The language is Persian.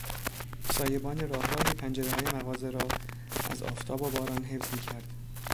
سایبان راه راهی پنجرههای مغازه را از آفتاب و باران حفظ میکرد.